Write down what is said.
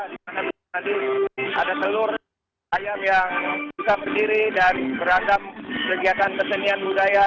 di mana di mana ada seluruh ayam yang bisa berdiri dan beragam pergiatan petenian budaya